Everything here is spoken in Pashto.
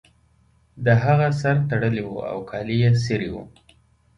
د هغه سر تړلی و او کالي یې څیرې وو